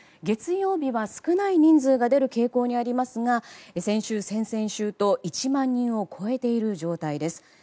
月曜日は少ない人数が出る傾向にありますが先週、先々週と１万人を超えている状態です。